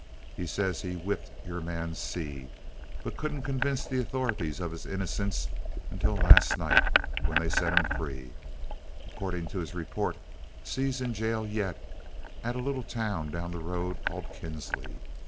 He says he whipped your man Seay, but couldn't convince the authorities of his innocence until last night, when they set him free. According to his report, Seay's in jail yet at a little town down the road called Kinsley.